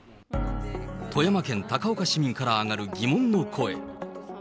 富山県高岡市民から上がる疑問の声。